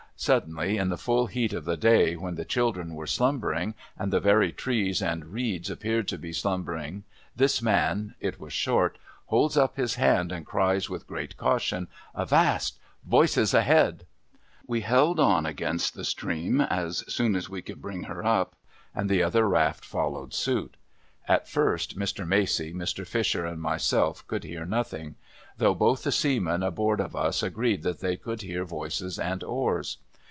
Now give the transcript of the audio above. Suddenly, in the full heat of the day, when the children Avere slumbering, and the very trees and reeds appeared to be slumbering, this man — it was Short — holds up his hand, and cries with great caution :* Avast ! Voices ahead !' ^Ve held on against the stream as soon as we could bring her up, and the other raft followed suit. At first, Mr. Macey, Mr. Fisher, and myself, could hear nothing ; though both the seamen aboard of us agreed that they could hear voices and oars.